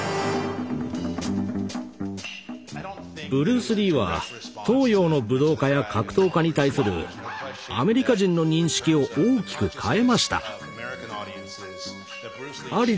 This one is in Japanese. ブルース・リーは東洋の武道家や格闘家に対するアメリカ人の認識を大きく変えました。